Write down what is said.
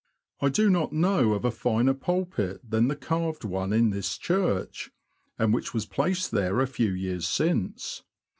I do not know of a finer pulpit than the carved one in this church, and which was placed there a few years since.